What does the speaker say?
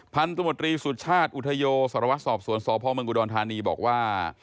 พันธุมธรีสุชาติอุทยโสรวัสสอบสวนสพมธนีบอกว่า